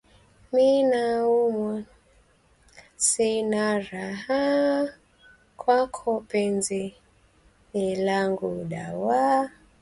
Uganda na Jamhuri ya Kidemokrasi ya Kongo Jumatano ziliongeza operesheni ya pamoja ya kijeshi.